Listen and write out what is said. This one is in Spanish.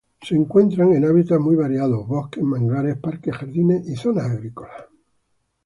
Se encuentran en hábitats muy variados, bosques, manglares, parques, jardines y zonas agrícolas.